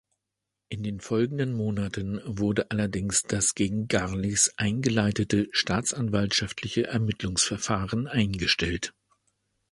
In den folgenden Monaten wurde allerdings das gegen Garlichs eingeleitete staatsanwaltliche Ermittlungsverfahren eingestellt.